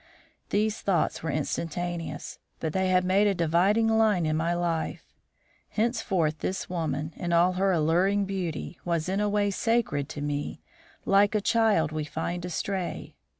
These thoughts were instantaneous, but they made a dividing line in my life. Henceforth this woman, in all her alluring beauty, was in a way sacred to me, like a child we find astray.